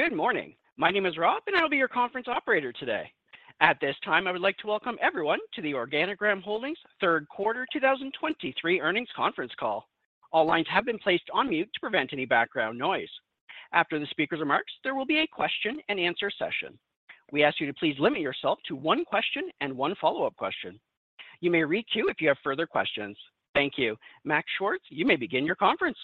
Good morning. My name is Rob, and I'll be your conference operator today. At this time, I would like to welcome everyone to the Organigram Holdings third quarter 2023 earnings conference call. All lines have been placed on mute to prevent any background noise. After the speaker's remarks, there will be a question and answer session. We ask you to please limit yourself to one question and one follow-up question. You may queue if you have further questions. Thank you. Max Schwartz, you may begin your conference.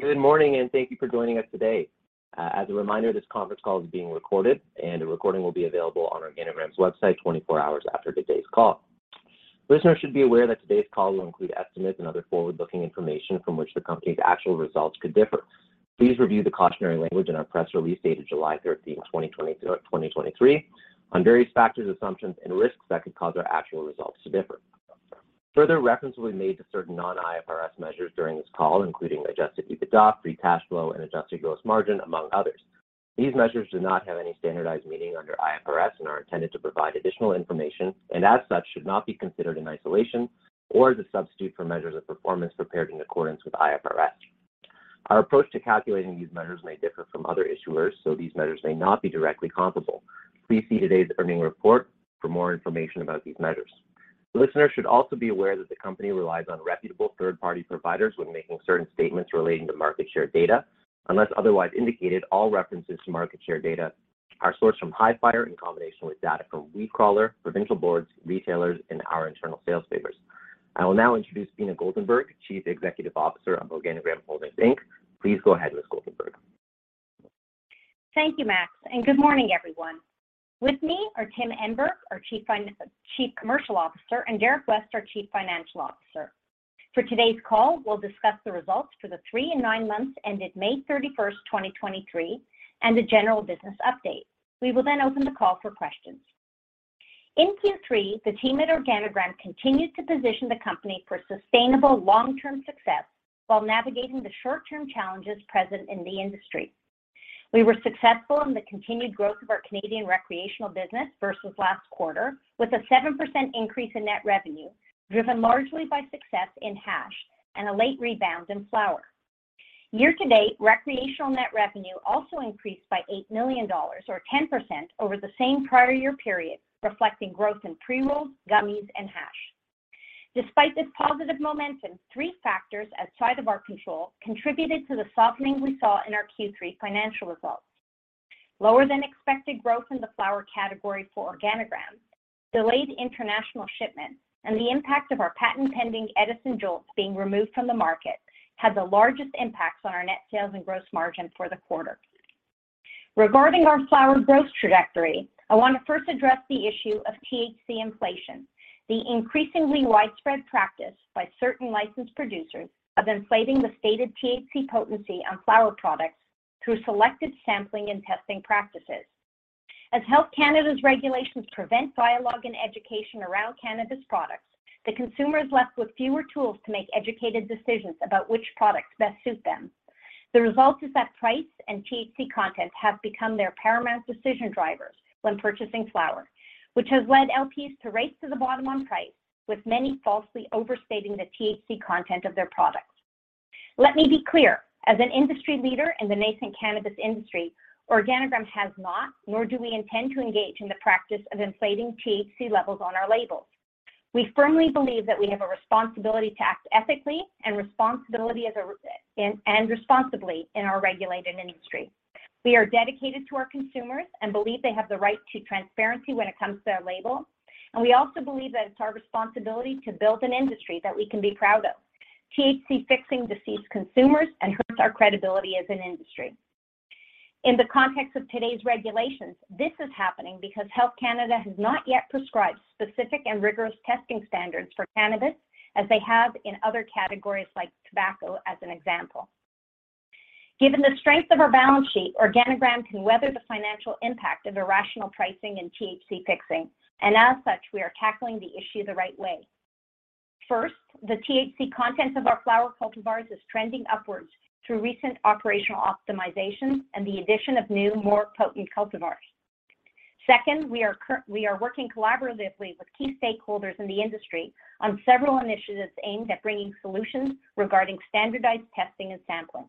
Good morning, thank you for joining us today. As a reminder, this conference call is being recorded, and the recording will be available on Organigram's website 24 hours after today's call. Listeners should be aware that today's call will include estimates and other forward-looking information from which the company's actual results could differ. Please review the cautionary language in our press release, dated July 13th, 2023, on various factors, assumptions, and risks that could cause our actual results to differ. Further reference will be made to certain non-IFRS measures during this call, including Adjusted EBITDA, free cash flow, and adjusted gross margin, among others. These measures do not have any standardized meaning under IFRS and are intended to provide additional information, and as such, should not be considered in isolation or as a substitute for measures of performance prepared in accordance with IFRS. Our approach to calculating these measures may differ from other issuers, so these measures may not be directly comparable. Please see today's earnings report for more information about these measures. Listeners should also be aware that the company relies on reputable third-party providers when making certain statements relating to market share data. Unless otherwise indicated, all references to market share data are sourced from Hifyre in combination with data from Weedcrawler, provincial boards, retailers, and our internal sales papers. I will now introduce Beena Goldenberg, Chief Executive Officer of Organigram Holdings Inc. Please go ahead, Ms. Goldenberg. Thank you, Max. Good morning, everyone. With me are Tim Emberg, our Chief Commercial Officer, and Derrick West, our Chief Financial Officer. For today's call, we'll discuss the results for the three and nine months ended May 31st, 2023, and a general business update. We will open the call for questions. In Q3, the team at Organigram continued to position the company for sustainable long-term success while navigating the short-term challenges present in the industry. We were successful in the continued growth of our Canadian recreational business versus last quarter, with a 7% increase in net revenue, driven largely by success in hash and a late rebound in flower. Year to date, recreational net revenue also increased by 8 million dollars or 10% over the same prior year period, reflecting growth in pre-rolls, gummies, and hash. Despite this positive momentum, three factors outside of our control contributed to the softening we saw in our Q3 financial results. Lower than expected growth in the flower category for Organigram, delayed international shipments, and the impact of our patent-pending Edison JOLTS being removed from the market, had the largest impacts on our net sales and gross margin for the quarter. Regarding our flower growth trajectory, I want to first address the issue of THC inflation, the increasingly widespread practice by certain licensed producers of inflating the stated THC potency on flower products through selective sampling and testing practices. As Health Canada's regulations prevent dialogue and education around cannabis products, the consumer is left with fewer tools to make educated decisions about which products best suit them. The result is that price and THC content have become their paramount decision drivers when purchasing flower, which has led LPs to race to the bottom on price, with many falsely overstating the THC content of their products. Let me be clear, as an industry leader in the nascent cannabis industry, Organigram has not, nor do we intend to engage in the practice of inflating THC levels on our labels. We firmly believe that we have a responsibility to act ethically and responsibly in our regulated industry. We are dedicated to our consumers and believe they have the right to transparency when it comes to their label. We also believe that it's our responsibility to build an industry that we can be proud of. THC fixing deceives consumers and hurts our credibility as an industry. In the context of today's regulations, this is happening because Health Canada has not yet prescribed specific and rigorous testing standards for cannabis, as they have in other categories like tobacco, as an example. Given the strength of our balance sheet, Organigram can weather the financial impact of irrational pricing and THC fixing, and as such, we are tackling the issue the right way. First, the THC content of our flower cultivars is trending upwards through recent operational optimization and the addition of new, more potent cultivars. Second, we are working collaboratively with key stakeholders in the industry on several initiatives aimed at bringing solutions regarding standardized testing and sampling.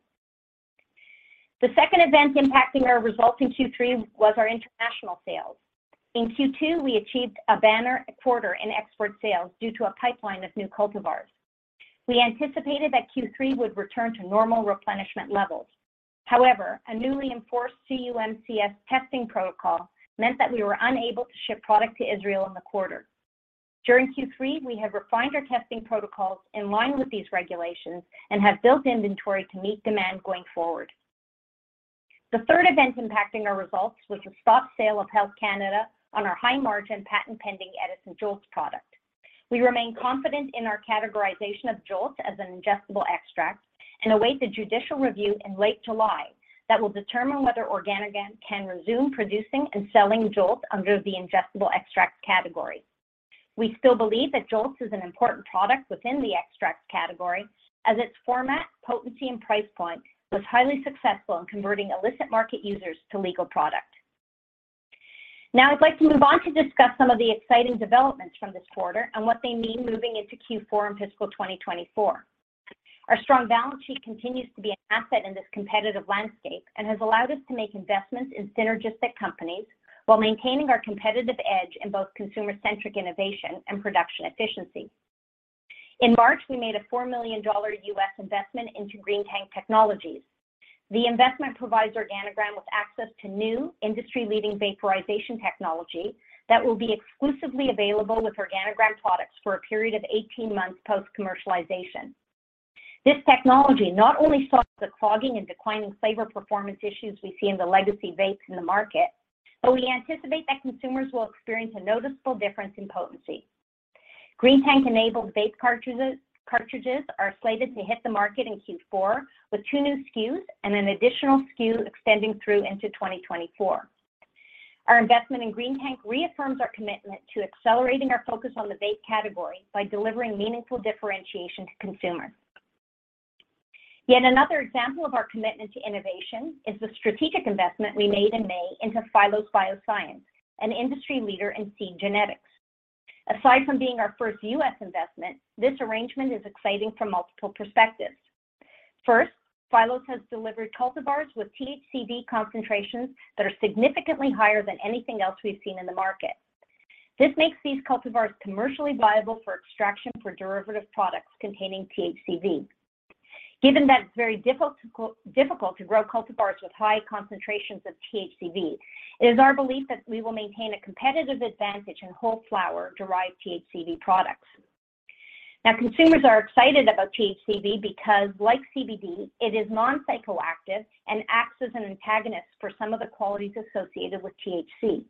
The second event impacting our results in Q3 was our international sales. In Q2, we achieved a banner quarter in export sales due to a pipeline of new cultivars. We anticipated that Q3 would return to normal replenishment levels. However, a newly enforced CUMCS testing protocol meant that we were unable to ship product to Israel in the quarter. During Q3, we have refined our testing protocols in line with these regulations and have built inventory to meet demand going forward. The third event impacting our results was the stop sale of Health Canada on our high-margin, patent-pending Edison JOLTS product. We remain confident in our categorization of JOLTS as an ingestible extract and await the judicial review in late July that will determine whether Organigram can resume producing and selling JOLTS under the ingestible extract category. We still believe that JOLTS is an important product within the extract category as its format, potency, and price point was highly successful in converting illicit market users to legal product. Now I'd like to move on to discuss some of the exciting developments from this quarter and what they mean moving into Q4 and fiscal 2024. Our strong balance sheet continues to be an asset in this competitive landscape and has allowed us to make investments in synergistic companies while maintaining our competitive edge in both consumer-centric innovation and production efficiency. In March, we made a $4 million U.S. investment into Greentank Technologies. The investment provides Organigram with access to new industry-leading vaporization technology that will be exclusively available with Organigram products for a period of 18 months post-commercialization. This technology not only solves the clogging and declining flavor performance issues we see in the legacy vapes in the market, but we anticipate that consumers will experience a noticeable difference in potency. Greentank-enabled vape cartridges are slated to hit the market in Q4, with two new SKUs and an additional SKU extending through into 2024. Our investment in Greentank reaffirms our commitment to accelerating our focus on the vape category by delivering meaningful differentiation to consumers. Yet another example of our commitment to innovation is the strategic investment we made in May into Phylos Bioscience, an industry leader in seed genetics. Aside from being our first U.S. investment, this arrangement is exciting from multiple perspectives. First, Phylos has delivered cultivars with THCV concentrations that are significantly higher than anything else we've seen in the market. This makes these cultivars commercially viable for extraction for derivative products containing THCV. Given that it's very difficult to grow cultivars with high concentrations of THCV, it is our belief that we will maintain a competitive advantage in whole flower-derived THCV products. Consumers are excited about THCV because, like CBD, it is non-psychoactive and acts as an antagonist for some of the qualities associated with THC.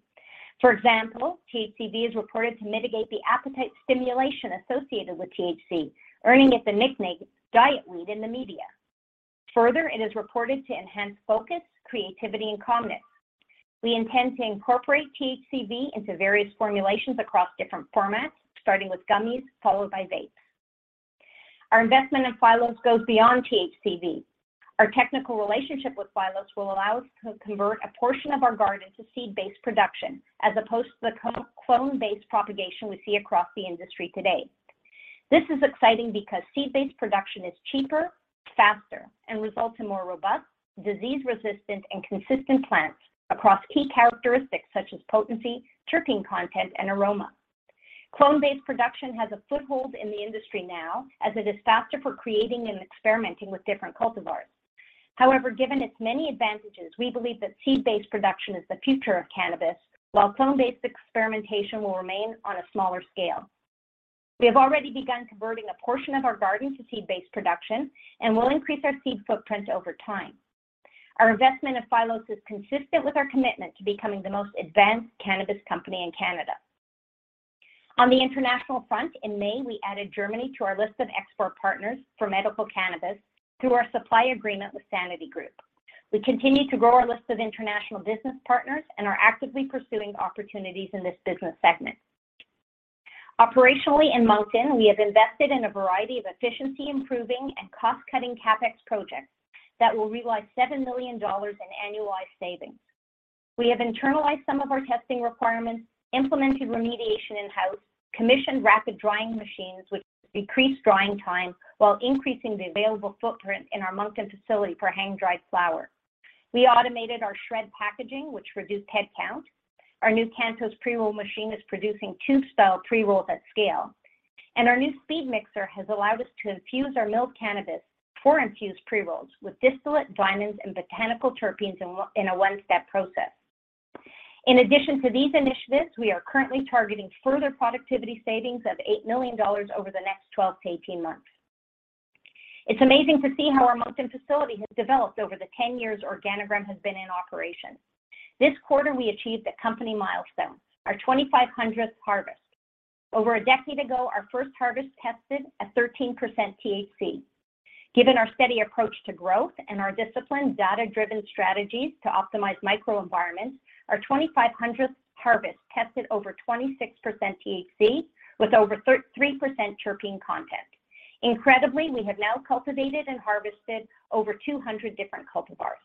THCV is reported to mitigate the appetite stimulation associated with THC, earning it the nickname "diet weed" in the media. It is reported to enhance focus, creativity, and calmness. We intend to incorporate THCV into various formulations across different formats, starting with gummies, followed by vapes. Our investment in Phylos goes beyond THCV. Our technical relationship with Phylos will allow us to convert a portion of our garden to seed-based production, as opposed to the clone-based propagation we see across the industry today. This is exciting because seed-based production is cheaper, faster, and results in more robust, disease-resistant, and consistent plants across key characteristics such as potency, terpene content, and aroma. Clone-based production has a foothold in the industry now, as it is faster for creating and experimenting with different cultivars. However, given its many advantages, we believe that seed-based production is the future of cannabis, while clone-based experimentation will remain on a smaller scale. We have already begun converting a portion of our garden to seed-based production and will increase our seed footprint over time. Our investment in Phylos is consistent with our commitment to becoming the most advanced cannabis company in Canada. On the international front, in May, we added Germany to our list of export partners for medical cannabis through our supply agreement with Sanity Group. We continue to grow our list of international business partners and are actively pursuing opportunities in this business segment. Operationally, in Moncton, we have invested in a variety of efficiency-improving and cost-cutting CapEx projects that will realize 7 million dollars in annualized savings. We have internalized some of our testing requirements, implemented remediation in-house, commissioned rapid drying machines, which decrease drying time while increasing the available footprint in our Moncton facility for hang-dried flower. We automated our SHRED packaging, which reduced headcount. Our new Cantos pre-roll machine is producing tube-style pre-rolls at scale, and our new SpeedMixer has allowed us to infuse our milled cannabis for infused pre-rolls with distillate, diamonds, and botanical terpenes in a one-step process. In addition to these initiatives, we are currently targeting further productivity savings of 8 million dollars over the next 12-18 months. It's amazing to see how our Moncton facility has developed over the 10 years Organigram has been in operation. This quarter, we achieved a company milestone, our 2,500th harvest. Over a decade ago, our first harvest tested at 13% THC. Given our steady approach to growth and our disciplined, data-driven strategies to optimize microenvironments, our 2,500th harvest tested over 26% THC with over 3% terpene content. Incredibly, we have now cultivated and harvested over 200 different cultivars.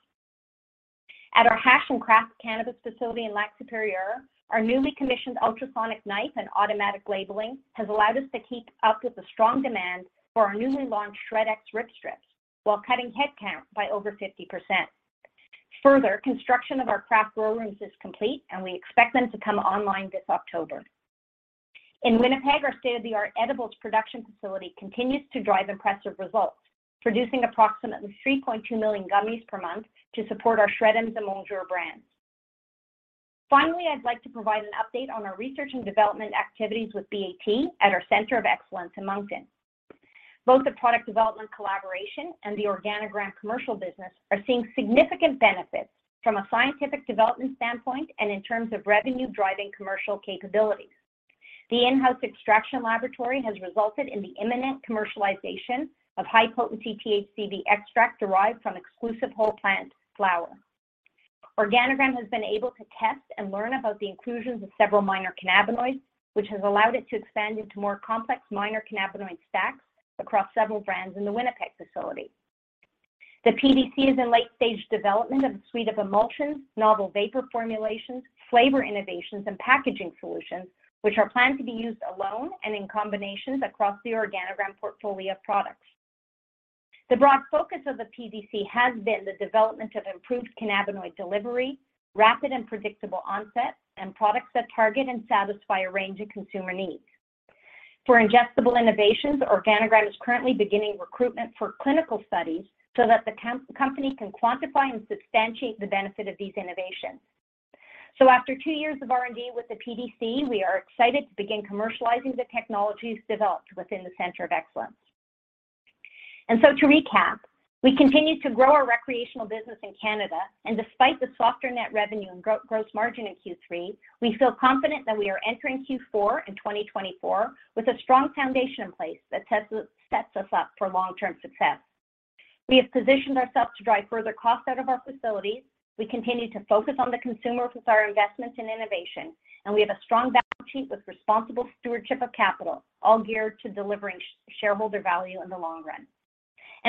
At our hash and craft cannabis facility in Lac-Supérieur, our newly commissioned ultrasonic knife and automatic labeling has allowed us to keep up with the strong demand for our newly launched SHRED X Rip-Strips, while cutting headcount by over 50%. Construction of our craft grow rooms is complete, and we expect them to come online this October. In Winnipeg, our state-of-the-art edibles production facility continues to drive impressive results, producing approximately 3.2 million gummies per month to support our SHRED'ems and Monjour brands. Finally, I'd like to provide an update on our research and development activities with BAT at our Centre of Excellence in Moncton. Both the product development collaboration and the Organigram commercial business are seeing significant benefits from a scientific development standpoint and in terms of revenue-driving commercial capabilities. The in-house extraction laboratory has resulted in the imminent commercialization of high-potency THCV extract derived from exclusive whole plant flower. Organigram has been able to test and learn about the inclusions of several minor cannabinoids, which has allowed it to expand into more complex minor cannabinoid stacks across several brands in the Winnipeg facility. The PDC is in late-stage development of a suite of emulsions, novel vapor formulations, flavor innovations, and packaging solutions, which are planned to be used alone and in combinations across the Organigram portfolio of products. The broad focus of the PDC has been the development of improved cannabinoid delivery, rapid and predictable onset, and products that target and satisfy a range of consumer needs. For ingestible innovations, Organigram is currently beginning recruitment for clinical studies so that the company can quantify and substantiate the benefit of these innovations. After two years of R&D with the PDC, we are excited to begin commercializing the technologies developed within the Centre of Excellence. To recap, we continue to grow our recreational business in Canada, despite the softer net revenue and gross margin in Q3, we feel confident that we are entering Q4 in 2024 with a strong foundation in place that sets us up for long-term success. We have positioned ourselves to drive further cost out of our facilities. We continue to focus on the consumer with our investments in innovation, and we have a strong balance sheet with responsible stewardship of capital, all geared to delivering shareholder value in the long run.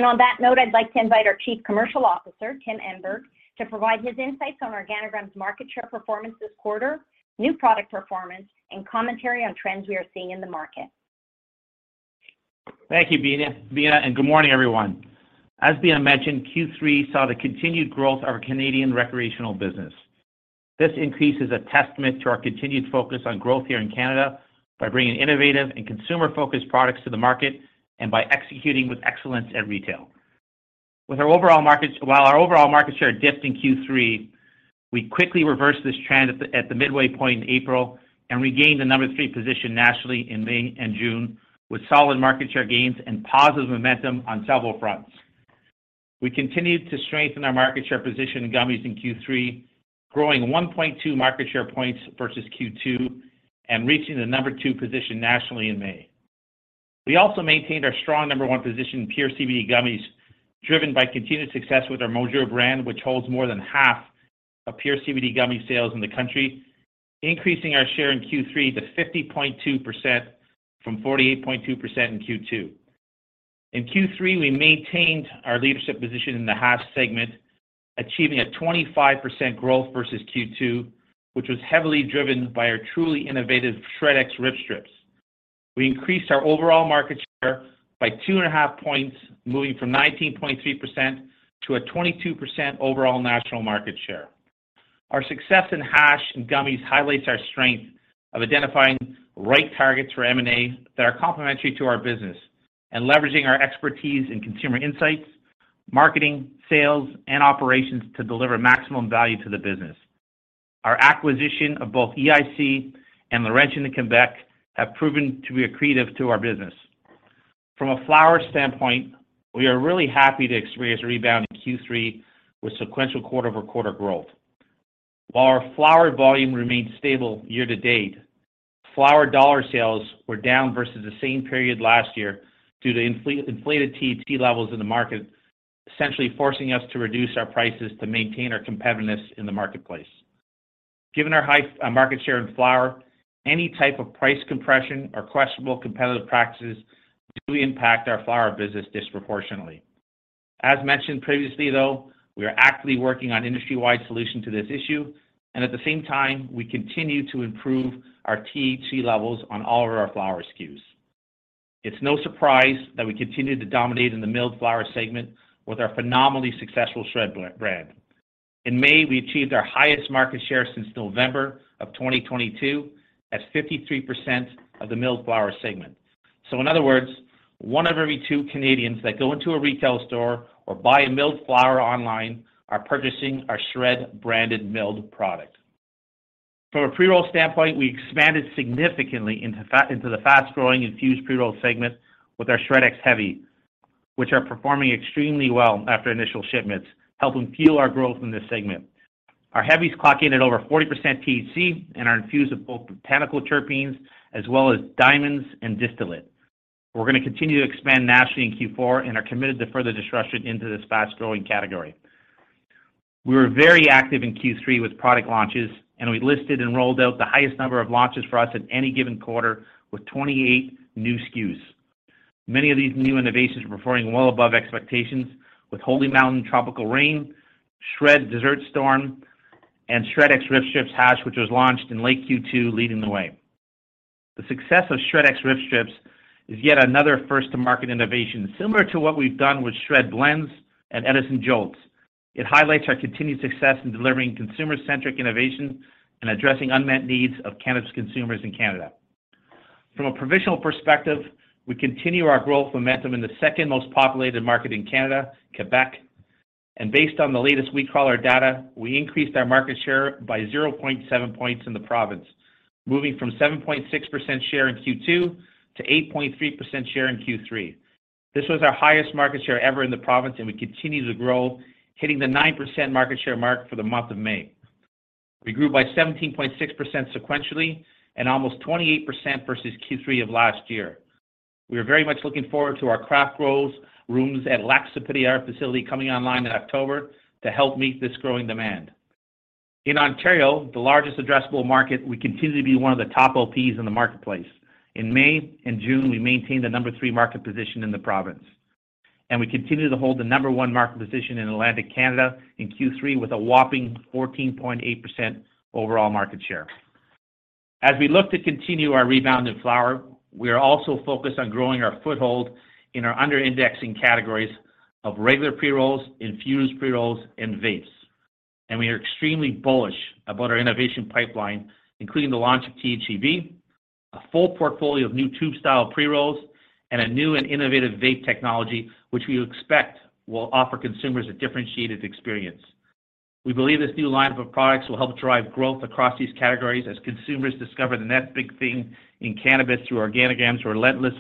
On that note, I'd like to invite our Chief Commercial Officer, Tim Emberg, to provide his insights on Organigram's market share performance this quarter, new product performance, and commentary on trends we are seeing in the market. Thank you, Beena, and good morning, everyone. As Beena mentioned, Q3 saw the continued growth of our Canadian recreational business. This increase is a testament to our continued focus on growth here in Canada by bringing innovative and consumer-focused products to the market and by executing with excellence at retail. While our overall market share dipped in Q3, we quickly reversed this trend at the midway point in April and regained the number three position nationally in May and June, with solid market share gains and positive momentum on several fronts. We continued to strengthen our market share position in gummies in Q3, growing 1.2 market share points versus Q2 and reaching the number two position nationally in May. We also maintained our strong number one position in pure CBD gummies, driven by continued success with our Monjour brand, which holds more than half of pure CBD gummy sales in the country, increasing our share in Q3 to 50.2% from 48.2% in Q2. In Q3, we maintained our leadership position in the hash segment, achieving a 25% growth versus Q2, which was heavily driven by our truly innovative SHRED X Rip-Strips. We increased our overall market share by 2.5 points, moving from 19.3% to a 22% overall national market share. Our success in hash and gummies highlights our strength of identifying the right targets for M&A that are complementary to our business and leveraging our expertise in consumer insights, marketing, sales, and operations to deliver maximum value to the business. Our acquisition of both EIC and Laurentian in Quebec have proven to be accretive to our business. From a flower standpoint, we are really happy to experience a rebound in Q3 with sequential quarter-over-quarter growth. While our flower volume remained stable year-to-date, flower dollar sales were down versus the same period last year due to inflated THC levels in the market, essentially forcing us to reduce our prices to maintain our competitiveness in the marketplace. Given our high market share in flower, any type of price compression or questionable competitive practices do impact our flower business disproportionately. As mentioned previously, though, we are actively working on an industry-wide solution to this issue, and at the same time, we continue to improve our THC levels on all of our flower SKUs. It's no surprise that we continue to dominate in the milled flower segment with our phenomenally successful SHRED brand. In May, we achieved our highest market share since November of 2022, at 53% of the milled flower segment. In other words, one out of every two Canadians that go into a retail store or buy a milled flower online are purchasing our SHRED-branded milled product. From a pre-roll standpoint, we expanded significantly into the fast-growing infused pre-roll segment with our SHRED X Heavies, which are performing extremely well after initial shipments, helping fuel our growth in this segment. Our Heavies clock in at over 40% THC and are infused with both botanical terpenes as well as diamonds and distillate. We're going to continue to expand nationally in Q4 and are committed to further disruption into this fast-growing category. We were very active in Q3 with product launches, and we listed and rolled out the highest number of launches for us at any given quarter with 28 new SKUs. Many of these new innovations are performing well above expectations with Holy Mountain Tropical Reign, SHRED Desert Storm, and SHRED X Rip-Strips Hash, which was launched in late Q2, leading the way. The success of SHRED X Rip-Strips Hash is yet another first-to-market innovation, similar to what we've done with SHRED Blends and Edison JOLTS. It highlights our continued success in delivering consumer-centric innovation and addressing unmet needs of cannabis consumers in Canada. From a provincial perspective, we continue our growth momentum in the second most populated market in Canada, Quebec. Based on the latest Weedcrawler data, we increased our market share by 0.7 points in the province, moving from 7.6% share in Q2 to 8.3% share in Q3. This was our highest market share ever in the province. We continue to grow, hitting the 9% market share mark for the month of May. We grew by 17.6% sequentially and almost 28% versus Q3 of last year. We are very much looking forward to our craft growth rooms at Lac-Supérieur facility coming online in October to help meet this growing demand. In Ontario, the largest addressable market, we continue to be one of the top LPs in the marketplace. In May and June, we maintained the number three market position in the province, and we continue to hold the number one market position in Atlantic Canada in Q3, with a whopping 14.8% overall market share. As we look to continue our rebound in flower, we are also focused on growing our foothold in our under-indexing categories of regular pre-rolls, infused pre-rolls, and vapes. We are extremely bullish about our innovation pipeline, including the launch of THCV, a full portfolio of new tube-style pre-rolls, and a new and innovative vape technology, which we expect will offer consumers a differentiated experience. We believe this new lineup of products will help drive growth across these categories as consumers discover the next big thing in cannabis through Organigram's relentless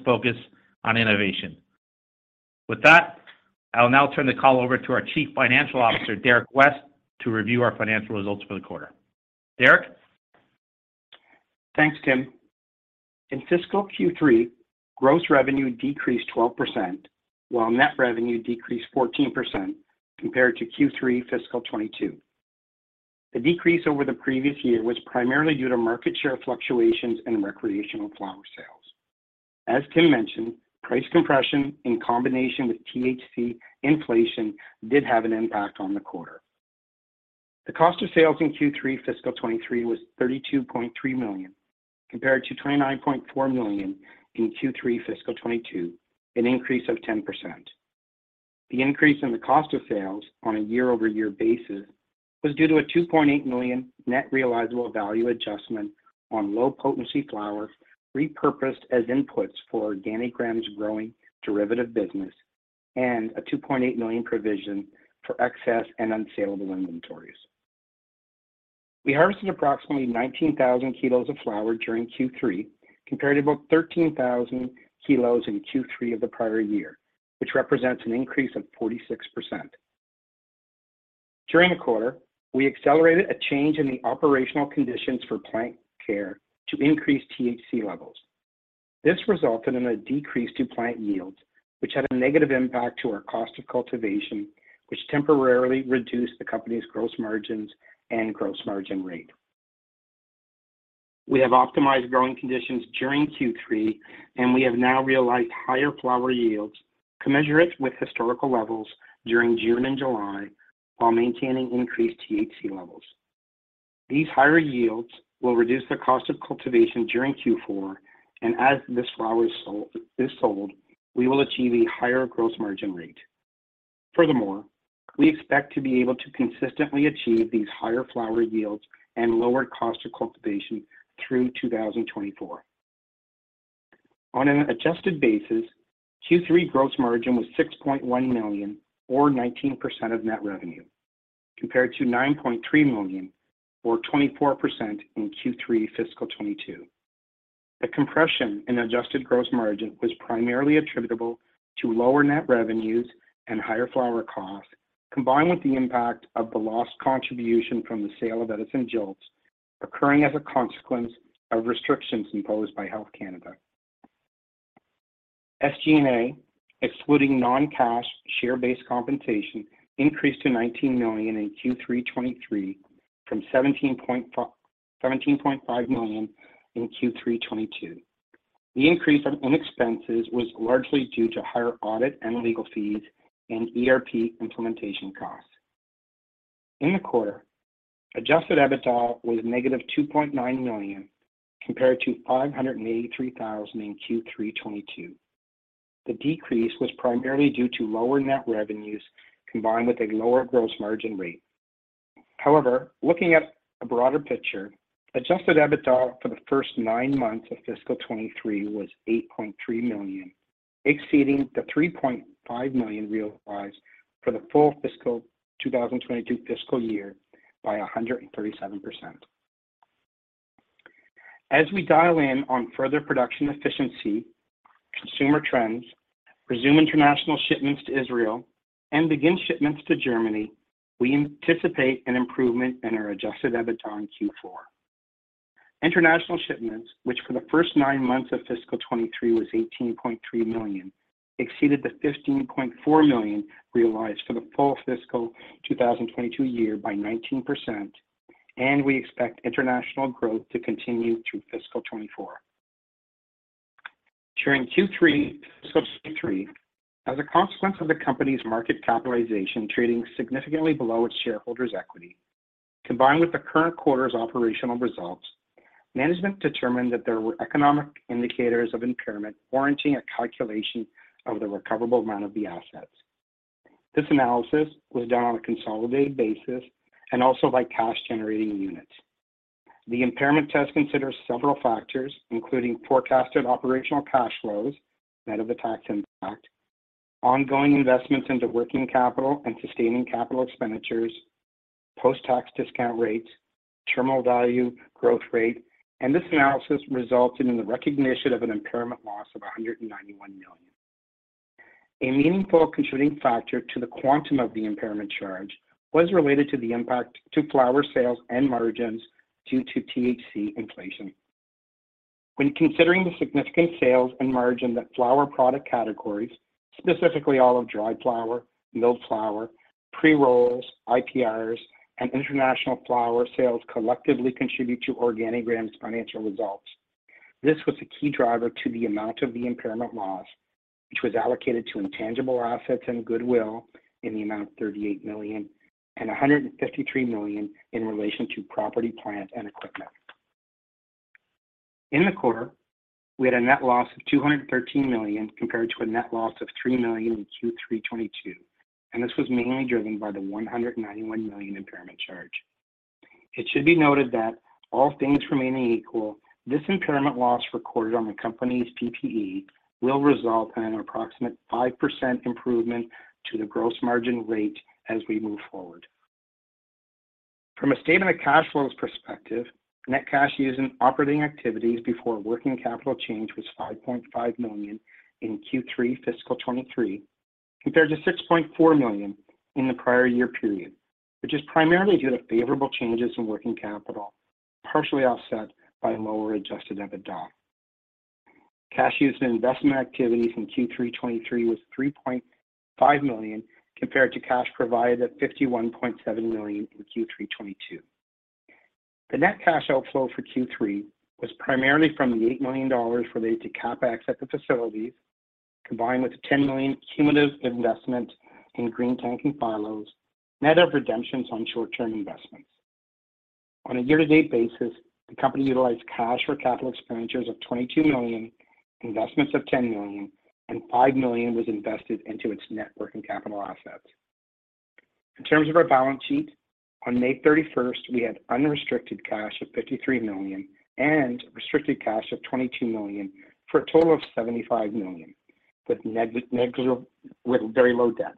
focus on innovation. With that, I'll now turn the call over to our Chief Financial Officer, Derek West, to review our financial results for the quarter. Derek? Thanks, Tim. In fiscal Q3, gross revenue decreased 12%, while net revenue decreased 14% compared to Q3 fiscal 2022. The decrease over the previous year was primarily due to market share fluctuations and recreational flower sales. As Tim mentioned, price compression in combination with THC inflation did have an impact on the quarter. The cost of sales in Q3 fiscal 2023 was 32.3 million, compared to 29.4 million in Q3 fiscal 2022, an increase of 10%. The increase in the cost of sales on a year-over-year basis was due to a 2.8 million net realizable value adjustment on low-potency flowers, repurposed as inputs for Organigram's growing derivative business and a 2.8 million provision for excess and unsaleable inventories. We harvested approximately 19,000 kilos of flower during Q3, compared to about 13,000 kilos in Q3 of the prior year, which represents an increase of 46%. During the quarter, we accelerated a change in the operational conditions for plant care to increase THC levels. This resulted in a decrease to plant yields, which had a negative impact to our cost of cultivation, which temporarily reduced the company's gross margins and gross margin rate. We have optimized growing conditions during Q3, and we have now realized higher flower yields, commensurate with historical levels during June and July, while maintaining increased THC levels. These higher yields will reduce the cost of cultivation during Q4, and as this flower is sold, we will achieve a higher gross margin rate. We expect to be able to consistently achieve these higher flower yields and lower cost of cultivation through 2024. On an adjusted basis, Q3 gross margin was 6.1 million or 19% of net revenue, compared to 9.3 million or 24% in Q3 fiscal 2022. The compression in adjusted gross margin was primarily attributable to lower net revenues and higher flower costs, combined with the impact of the lost contribution from the sale of Edison JOLTS, occurring as a consequence of restrictions imposed by Health Canada. SG&A, excluding non-cash share-based compensation, increased to CAD 19 million in Q3 2023 from CAD 17.5 million in Q3 2022. The increase in expenses was largely due to higher audit and legal fees and ERP implementation costs. In the quarter, Adjusted EBITDA was negative 2.9 million, compared to 583,000 in Q3 2022. The decrease was primarily due to lower net revenues, combined with a lower gross margin rate. Looking at a broader picture, Adjusted EBITDA for the first nine months of fiscal 2023 was 8.3 million, exceeding the 3.5 million realized for the full fiscal 2022 fiscal year by 137%. As we dial in on further production efficiency, consumer trends, resume international shipments to Israel, and begin shipments to Germany, we anticipate an improvement in our Adjusted EBITDA in Q4. International shipments, which for the first nine months of fiscal 2023 was 18.3 million, exceeded the 15.4 million realized for the full fiscal 2022 year by 19%. We expect international growth to continue through fiscal 2024. During Q3, fiscal 2023, as a consequence of the company's market capitalization trading significantly below its shareholders' equity, combined with the current quarter's operational results, management determined that there were economic indicators of impairment warranting a calculation of the recoverable amount of the assets. This analysis was done on a consolidated basis and also by cash-generating units. The impairment test considers several factors, including forecasted operational cash flows, net of the tax impact, ongoing investments into working capital and sustaining capital expenditures, post-tax discount rates, terminal value, growth rate. This analysis resulted in the recognition of an impairment loss of 191 million. A meaningful contributing factor to the quantum of the impairment charge was related to the impact to flower sales and margins due to THC inflation. When considering the significant sales and margin that flower product categories, specifically all of dried flower, milled flower, pre-rolls, IPRs, and international flower sales collectively contribute to Organigram's financial results. This was a key driver to the amount of the impairment loss, which was allocated to intangible assets and goodwill in the amount of 38 million and 153 million in relation to property, plant, and equipment. In the quarter, we had a net loss of 213 million, compared to a net loss of 3 million in Q3 2022. This was mainly driven by the 191 million impairment charge. It should be noted that all things remaining equal, this impairment loss recorded on the company's PPE will result in an approximate 5% improvement to the gross margin rate as we move forward. From a statement of cash flows perspective, net cash used in operating activities before working capital change was 5.5 million in Q3 fiscal 2023, compared to 6.4 million in the prior year period, which is primarily due to favorable changes in working capital, partially offset by lower Adjusted EBITDA. Cash used in investment activities in Q3 2023 was 3.5 million, compared to cash provided at 51.7 million in Q3 2022. The net cash outflow for Q3 was primarily from the 8 million dollars related to CapEx at the facilities, combined with a 10 million cumulative investment in Greentank and Phylos, net of redemptions on short-term investments. On a year-to-date basis, the company utilized cash for capital expenditures of 22 million, investments of 10 million, and 5 million was invested into its net working capital assets. In terms of our balance sheet, on May 31st, we had unrestricted cash of 53 million and restricted cash of 22 million, for a total of 75 million, with very low debt.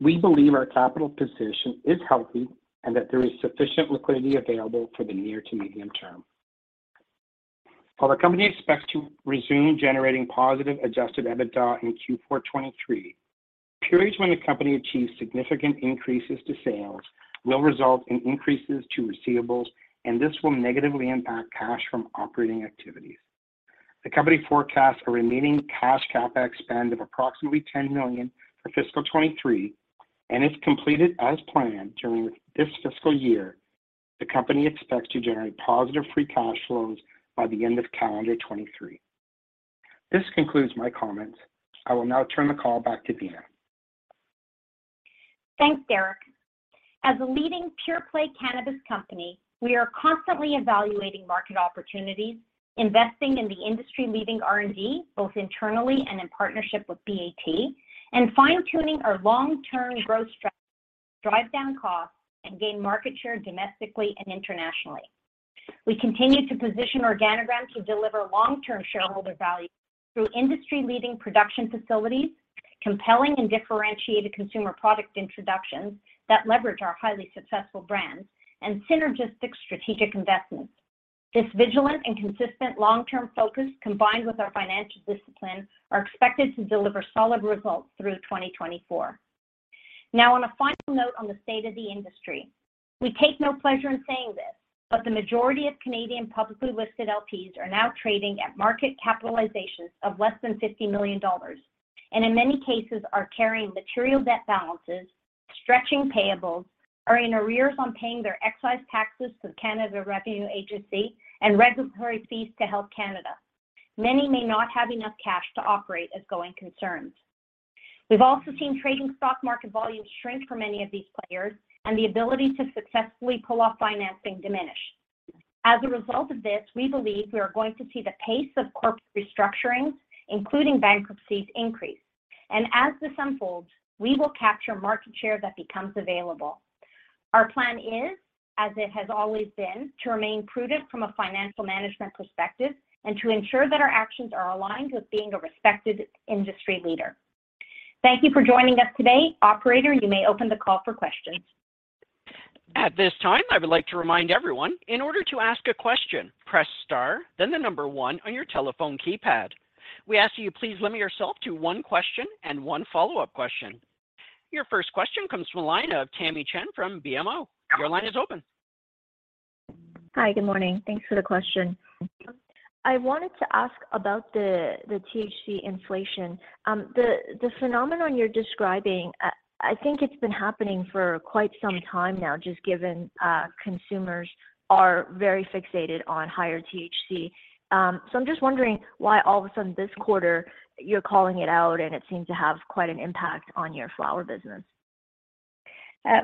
We believe our capital position is healthy and that there is sufficient liquidity available for the near to medium term. While the company expects to resume generating positive Adjusted EBITDA in Q4 2023, periods when the company achieves significant increases to sales will result in increases to receivables, and this will negatively impact cash from operating activities. The company forecasts a remaining cash CapEx spend of approximately 10 million for fiscal 2023. If completed as planned during this fiscal year, the company expects to generate positive free cash flows by the end of calendar 2023. This concludes my comments. I will now turn the call back to Beena. Thanks, Derrick. As a leading pure-play cannabis company, we are constantly evaluating market opportunities, investing in the industry-leading R&D, both internally and in partnership with BAT, and fine-tuning our long-term growth strategy to drive down costs and gain market share domestically and internationally. We continue to position Organigram to deliver long-term shareholder value through industry-leading production facilities, compelling and differentiated consumer product introductions that leverage our highly successful brands, and synergistic strategic investments. This vigilant and consistent long-term focus, combined with our financial discipline, are expected to deliver solid results through 2024. On a final note on the state of the industry, we take no pleasure in saying this, but the majority of Canadian publicly listed LPs are now trading at market capitalizations of less than $50 million, and in many cases, are carrying material debt balances, stretching payables, are in arrears on paying their excise taxes to the Canada Revenue Agency and regulatory fees to Health Canada. Many may not have enough cash to operate as going concerns. We've also seen trading stock market volumes shrink for many of these players and the ability to successfully pull off financing diminish. As a result of this, we believe we are going to see the pace of corporate restructuring, including bankruptcies, increase, and as this unfolds, we will capture market share that becomes available. Our plan is, as it has always been, to remain prudent from a financial management perspective and to ensure that our actions are aligned with being a respected industry leader. Thank you for joining us today. Operator, you may open the call for questions. At this time, I would like to remind everyone, in order to ask a question, press star, then the number one on your telephone keypad. We ask that you please limit yourself to one question and one follow-up question. Your first question comes from the line of Tamy Chen from BMO. Your line is open. Hi, good morning. Thanks for the question. I wanted to ask about the THC inflation. The phenomenon you're describing, I think it's been happening for quite some time now, just given consumers are very fixated on higher THC. I'm just wondering why all of a sudden this quarter you're calling it out, and it seems to have quite an impact on your flower business.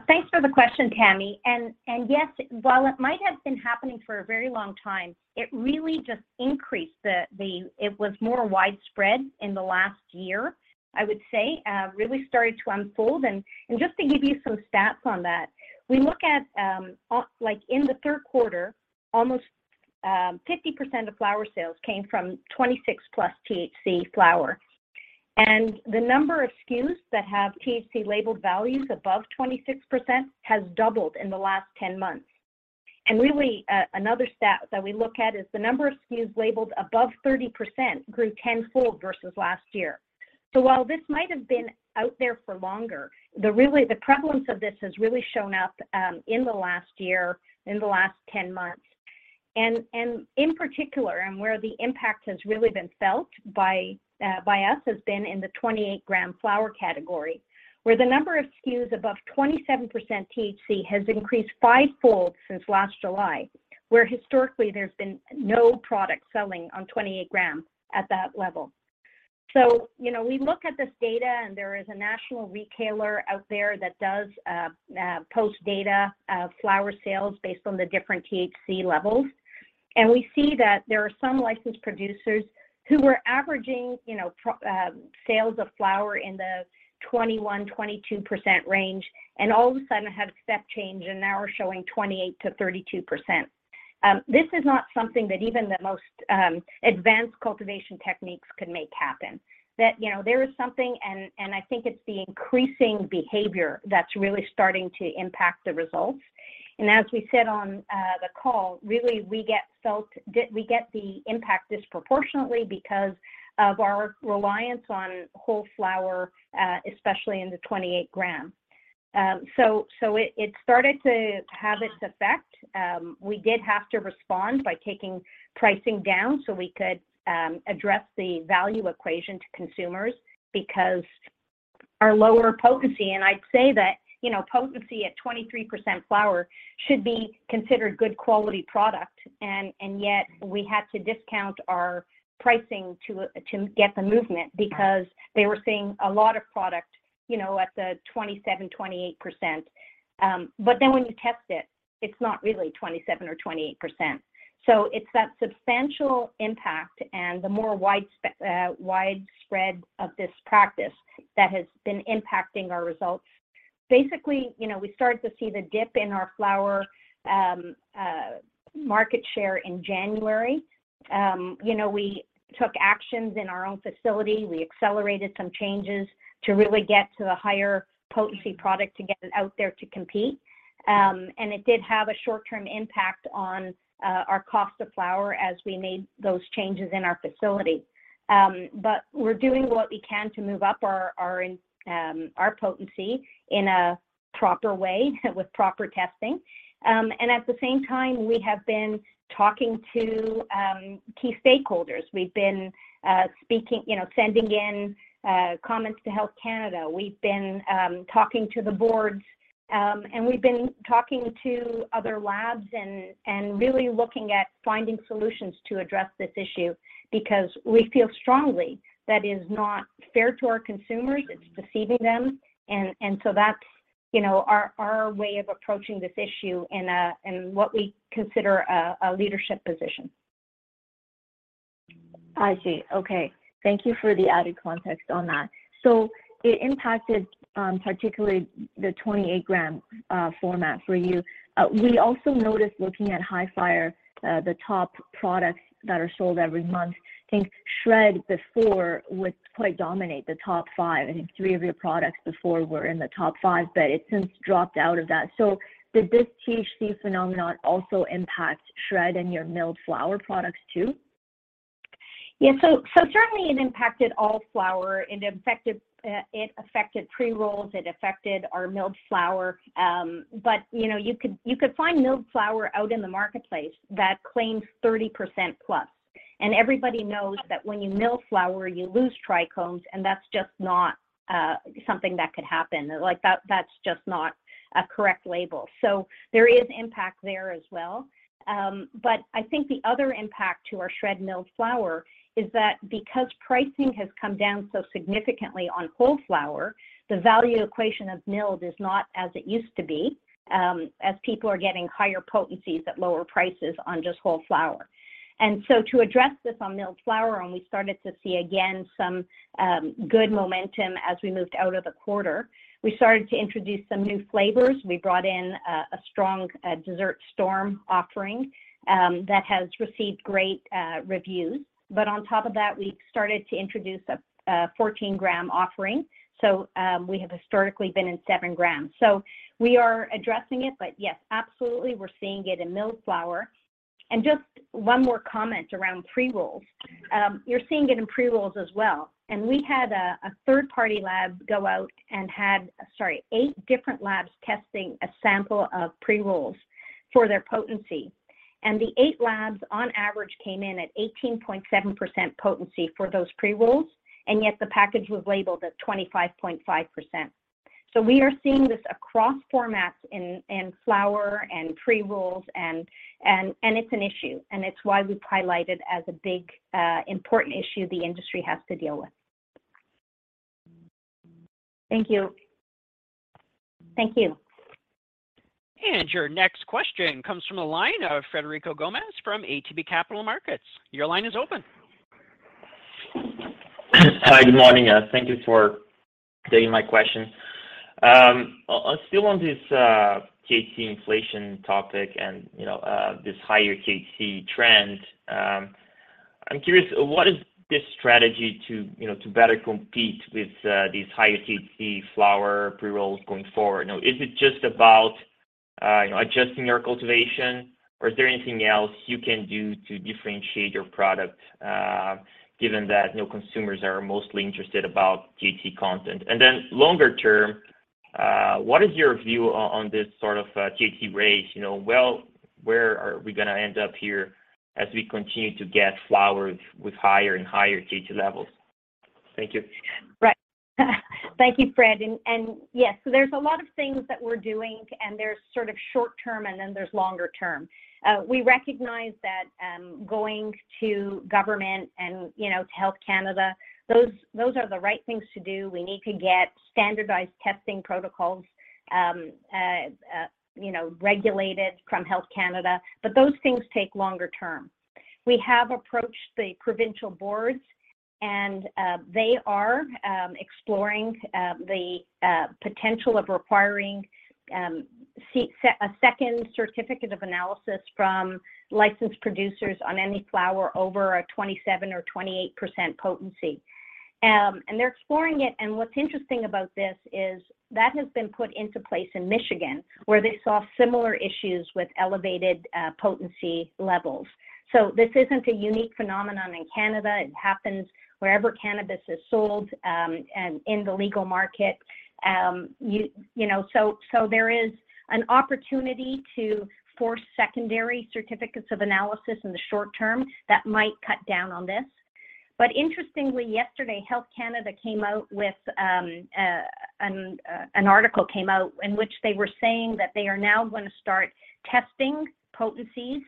Thanks for the question, Tamy. And yes, while it might have been happening for a very long time, it really just increased. It was more widespread in the last year, I would say, really started to unfold. Just to give you some stats on that, we look at, like in the third quarter, almost 50% of flower sales came from 26+ THC flower. The number of SKUs that have THC labeled values above 26% has doubled in the last 10 months. Really, another stat that we look at is the number of SKUs labeled above 30% grew 10-fold versus last year. While this might have been out there for longer, the really, the prevalence of this has really shown up in the last year, in the last 10 months. In particular, where the impact has really been felt by us, has been in the 28 gram flower category, where the number of SKUs above 27% THC has increased fivefold since last July, where historically there's been no product selling on 28 gram at that level. You know, we look at this data, there is a national retailer out there that does post data of flower sales based on the different THC levels. We see that there are some licensed producers who were averaging, you know, sales of flower in the 21%-22% range, and all of a sudden had a step change and now are showing 28%-32%. This is not something that even the most advanced cultivation techniques could make happen, that, you know, there is something and I think it's the increasing behavior that's really starting to impact the results. As we said on the call, really we get the impact disproportionately because of our reliance on whole flower, especially in the 28 gram. It started to have this effect. We did have to respond by taking pricing down so we could address the value equation to consumers because our lower potency, and I'd say that, you know, potency at 23% flower should be considered good quality product. Yet we had to discount our pricing to get the movement because they were seeing a lot of product, you know, at the 27%, 28%. When you test it's not really 27% or 28%. It's that substantial impact and the more widespread of this practice that has been impacting our results. Basically, you know, we started to see the dip in our flower market share in January. You know, we took actions in our own facility. We accelerated some changes to really get to the higher potency product to get it out there to compete. It did have a short-term impact on our cost of flower as we made those changes in our facility. We're doing what we can to move up our potency in a proper way, with proper testing. At the same time, we have been talking to key stakeholders. We've been speaking, you know, sending in comments to Health Canada. We've been talking to the boards, and we've been talking to other labs and really looking at finding solutions to address this issue, because we feel strongly that is not fair to our consumers. It's deceiving them. So that's, you know, our way of approaching this issue and what we consider a leadership position. I see. Okay, thank you for the added context on that. It impacted, particularly the 28 gram format for you. We also noticed, looking at Hifyre, the top products that are sold every month, I think SHRED before would quite dominate the top five. I think three of your products before were in the top five, but it since dropped out of that. Did this THC phenomenon also impact SHRED and your milled flower products too? Certainly it impacted all flower. It affected pre-rolls, it affected our milled flower, you know, you could find milled flower out in the marketplace that claims 30%+. Everybody knows that when you mill flower, you lose trichomes, that's just not something that could happen. That's just not a correct label. There is impact there as well. I think the other impact to our SHRED milled flower is that because pricing has come down so significantly on whole flower, the value equation of milled is not as it used to be, as people are getting higher potencies at lower prices on just whole flower. To address this on milled flower, we started to see again some good momentum as we moved out of the quarter, we started to introduce some new flavors. We brought in a strong Desert Storm offering that has received great reviews. On top of that, we started to introduce a 14-gram offering. We have historically been in 7 grams. We are addressing it, but yes, absolutely, we're seeing it in milled flower. Just one more comment around pre-rolls. You're seeing it in pre-rolls as well. We had a third-party lab go out and eight different labs testing a sample of pre-rolls for their potency. The eight labs on average came in at 18.7% potency for those pre-rolls, yet the package was labeled at 25.5%. We are seeing this across formats in flower and pre-rolls, and it's an issue, and it's why we've highlighted as a big, important issue the industry has to deal with. Thank you. Thank you. Your next question comes from the line of Frederico Gomes from ATB Capital Markets. Your line is open. Hi, good morning. Thank you for taking my question. Still on this THC inflation topic and, you know, this higher THC trend, I'm curious, what is this strategy to, you know, to better compete with these higher THC flower pre-rolls going forward? You know, is it just about adjusting your cultivation, or is there anything else you can do to differentiate your product, given that, you know, consumers are mostly interested about THC content? Then longer term, what is your view on this sort of THC race? You know, well, where are we gonna end up here as we continue to get flowers with higher and higher THC levels? Thank you. Thank you, Fred. Yes, there's a lot of things that we're doing, and there's sort of short term, and then there's longer term. We recognize that, going to government and, you know, to Health Canada, those are the right things to do. We need to get standardized testing protocols, you know, regulated from Health Canada, but those things take longer term. We have approached the provincial boards, and they are exploring the potential of requiring a second certificate of analysis from licensed producers on any flower over a 27% or 28% potency. They're exploring it, and what's interesting about this is that has been put into place in Michigan, where they saw similar issues with elevated, potency levels. This isn't a unique phenomenon in Canada, it happens wherever cannabis is sold, and in the legal market. You know, there is an opportunity to force secondary certificates of analysis in the short term that might cut down on this. Interestingly, yesterday, Health Canada came out with an article in which they were saying that they are now going to start testing potencies.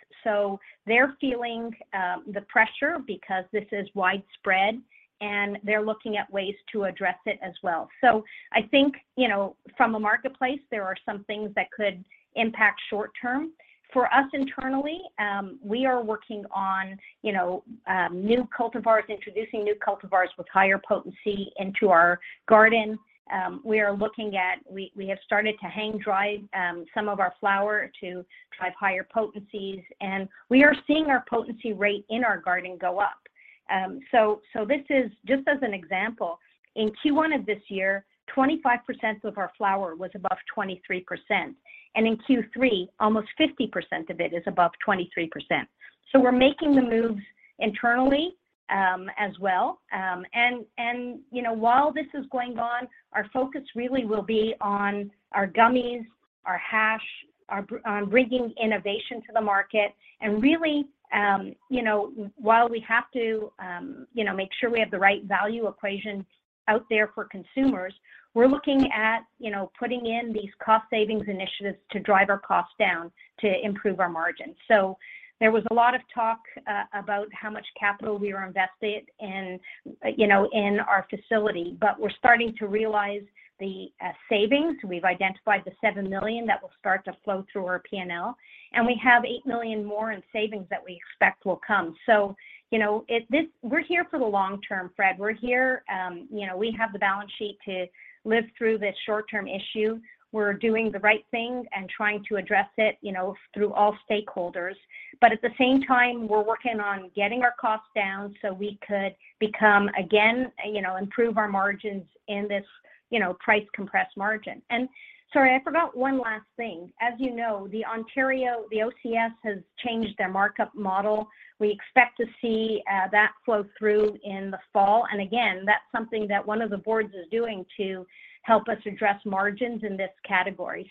They're feeling the pressure because this is widespread, and they're looking at ways to address it as well. I think, you know, from a marketplace, there are some things that could impact short term. For us internally, we are working on, you know, new cultivars, introducing new cultivars with higher potency into our garden. We have started to hang-dry some of our flower to drive higher potencies, and we are seeing our potency rate in our garden go up. This is just as an example, in Q1 of this year, 25% of our flower was above 23%, and in Q3, almost 50% of it is above 23%. We're making the moves internally as well. You know, while this is going on, our focus really will be on our gummies, our hash, on bringing innovation to the market. Really, you know, while we have to, you know, make sure we have the right value equation out there for consumers, we're looking at, you know, putting in these cost savings initiatives to drive our costs down, to improve our margin. There was a lot of talk about how much capital we were invested in, you know, in our facility, we're starting to realize the savings. We've identified the 7 million that will start to flow through our P&L, we have 8 million more in savings that we expect will come. You know, we're here for the long term, Fred. We're here, you know, we have the balance sheet to live through this short-term issue. We're doing the right thing and trying to address it, you know, through all stakeholders. At the same time, we're working on getting our costs down so we could become, again, you know, improve our margins in this, you know, price-compressed margin. Sorry, I forgot one last thing. As you know, the Ontario, the OCS, has changed their markup model. We expect to see that flow through in the fall. That's something that one of the boards is doing to help us address margins in this category.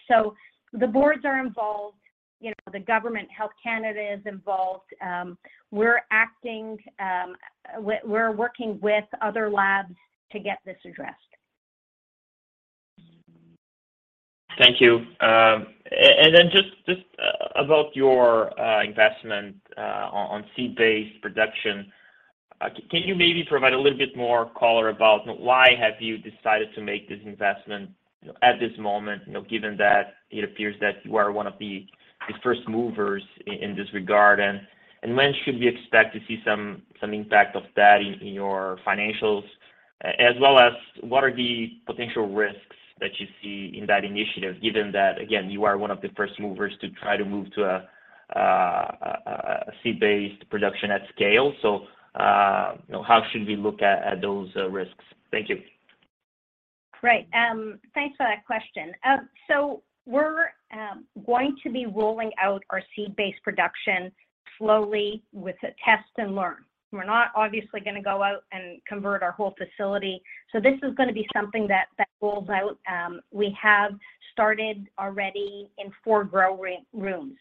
The boards are involved, you know, the government, Health Canada, is involved. We're acting, we're working with other labs to get this addressed. Thank you. Then just about your investment on seed-based production. Can you maybe provide a little bit more color about why have you decided to make this investment at this moment, you know, given that it appears that you are one of the first movers in this regard? When should we expect to see some impact of that in your financials? As well as what are the potential risks that you see in that initiative, given that, again, you are one of the first movers to try to move to a seed-based production at scale? You know, how should we look at those risks? Thank you. Great. Thanks for that question. We're going to be rolling out our seed-based production slowly with a test and learn. We're not obviously gonna go out and convert our whole facility, so this is gonna be something that rolls out. We have started already in four grow rooms.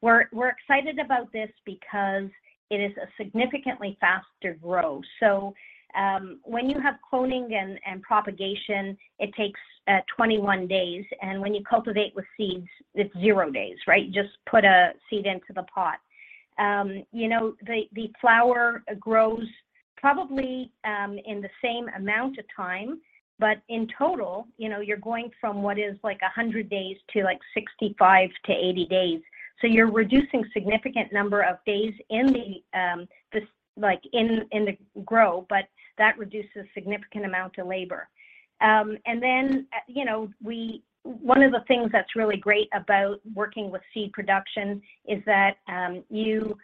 We're excited about this because it is a significantly faster grow. When you have cloning and propagation, it takes 21 days, and when you cultivate with seeds, it's zero days, right? Just put a seed into the pot. You know, the flower grows probably in the same amount of time in total, you know, you're going from what is like 100 days to like 65-80 days. You're reducing significant number of days in the grow, but that reduces significant amount to labor. You know, one of the things that's really great about working with seed production is that you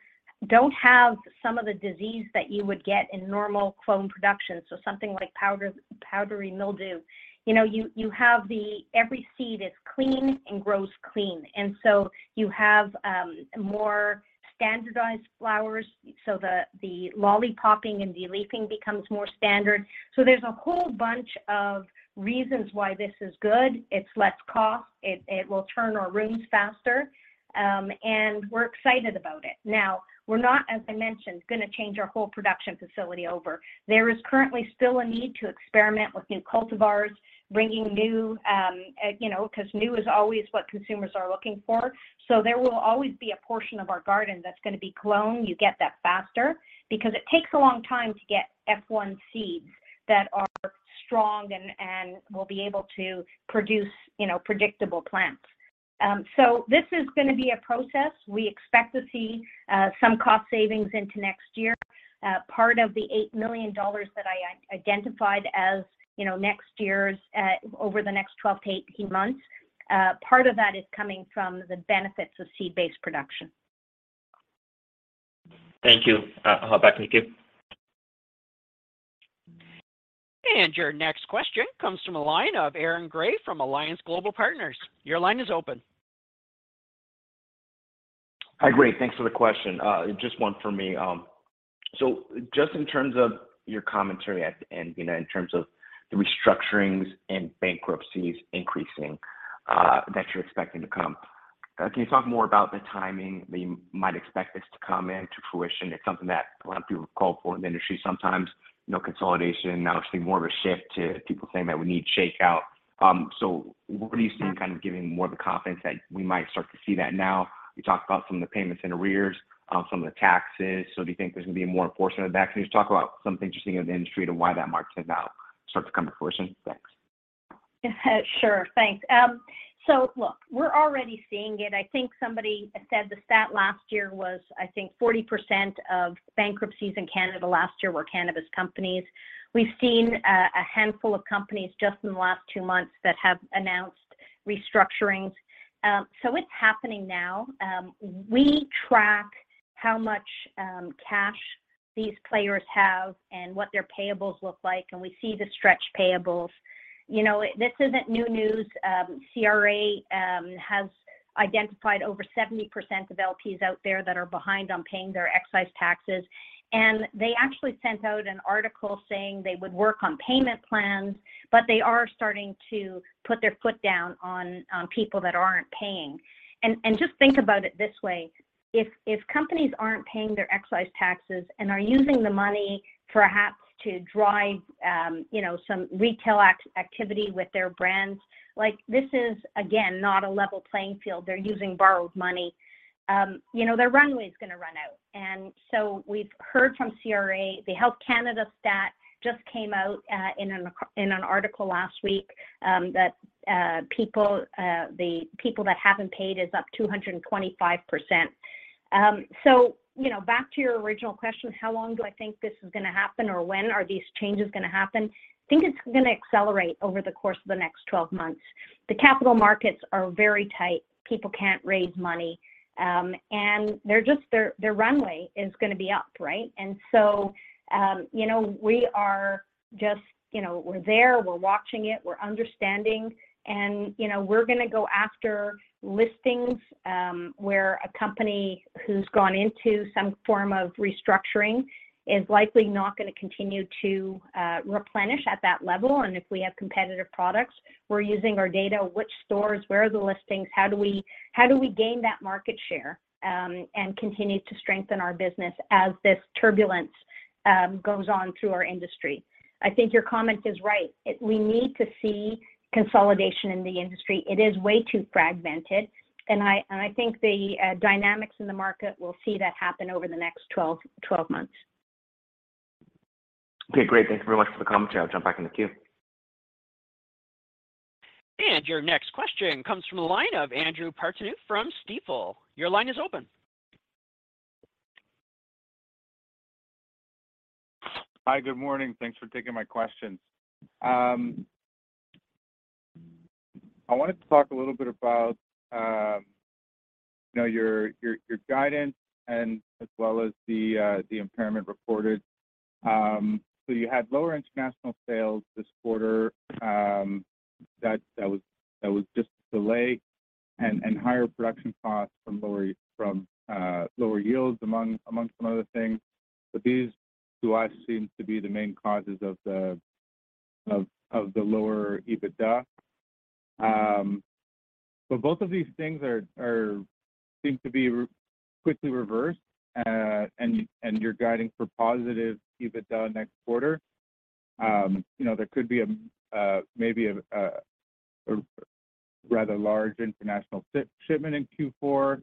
don't have some of the disease that you would get in normal clone production, so something like powdery mildew. You know, you have the every seed is clean and grows clean, you have more standardized flowers, so lollipopping and deleafing becomes more standard. There's a whole bunch of reasons why this is good. It's less cost, it will turn our rooms faster, we're excited about it. We're not, as I mentioned, gonna change our whole production facility over. There is currently still a need to experiment with new cultivars, bringing new, you know, because new is always what consumers are looking for. There will always be a portion of our garden that's gonna be cloned. You get that faster because it takes a long time to get F1 seeds that are strong and will be able to produce, you know, predictable plants. This is gonna be a process. We expect to see some cost savings into next year. Part of the 8 million dollars that I identified as, you know, next year's, over the next 12-18 months, part of that is coming from the benefits of seed-based production. Thank you. I'll back in the queue. Your next question comes from the line of Aaron Grey from Alliance Global Partners. Your line is open. Hi, great. Thanks for the question. Just one for me. Just in terms of your commentary at the end, you know, in terms of the restructurings and bankruptcies increasing that you're expecting to come, can you talk more about the timing that you might expect this to come into fruition? It's something that a lot of people call for in the industry sometimes, you know, consolidation, now we're seeing more of a shift to people saying that we need shakeout. What do you see kind of giving more of the confidence that we might start to see that now? You talked about some of the payments in arrears, some of the taxes. Do you think there's gonna be more enforcement of that? Can you just talk about something interesting in the industry to why that market is now start to come into fruition? Thanks. Sure, thanks. Look, we're already seeing it. I think somebody said the stat last year was 40% of bankruptcies in Canada last year were cannabis companies. We've seen a handful of companies just in the last two months that have announced restructurings. It's happening now. We track how much cash these players have and what their payables look like, and we see the stretch payables. You know, this isn't new news. CRA has identified over 70% of LPs out there that are behind on paying their excise taxes. They actually sent out an article saying they would work on payment plans. They are starting to put their foot down on people that aren't paying. Just think about it this way: if companies aren't paying their excise taxes and are using the money perhaps to drive, you know, some retail activity with their brands, like this is, again, not a level playing field. They're using borrowed money. You know, their runway is gonna run out. We've heard from CRA, the Health Canada stat just came out in an article last week that the people that haven't paid is up 225%. You know, back to your original question, how long do I think this is gonna happen or when are these changes gonna happen? I think it's gonna accelerate over the course of the next 12 months. The capital markets are very tight. People can't raise money, and their runway is gonna be up, right? You know, we're there, we're watching it, we're understanding. You know, we're gonna go after listings where a company who's gone into some form of restructuring is likely not gonna continue to replenish at that level. If we have competitive products, we're using our data, which stores, where are the listings, how do we gain that market share and continue to strengthen our business as this turbulence goes on through our industry? I think your comment is right. We need to see consolidation in the industry. It is way too fragmented, and I think the dynamics in the market will see that happen over the next 12 months. Okay, great. Thank you very much for the commentary. I'll jump back in the queue. Your next question comes from the line of Andrew Partheniou from Stifel. Your line is open. Hi, good morning. Thanks for taking my questions. I wanted to talk a little bit about, you know, your guidance and as well as the impairment reported. You had lower international sales this quarter, that was just delay and higher production costs from lower yields amongst some other things. These to us seem to be the main causes of the lower EBITDA. Both of these things are quickly reversed and you're guiding for positive EBITDA next quarter. You know, there could be. Rather large international shipment in Q4.